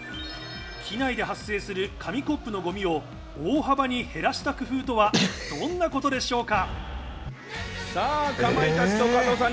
機内で発生する紙コップのゴミを大幅に減らした工夫とはどんなことでしょうか？